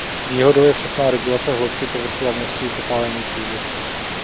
Výhodou je přesná regulace hloubky povrchu a množství popálení kůže.